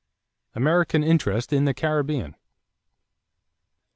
=American Interest in the Caribbean.